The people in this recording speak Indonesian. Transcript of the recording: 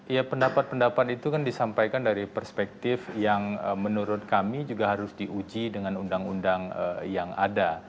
ya pendapat pendapat itu kan disampaikan dari perspektif yang menurut kami juga harus diuji dengan undang undang yang ada